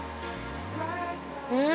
うん！